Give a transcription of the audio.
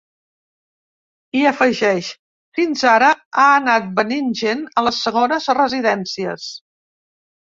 I afegeix: Fins ara ha anat venint gent a les segones residències.